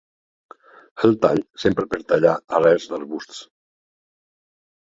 El tall s'empra per tallar arrels d'arbusts.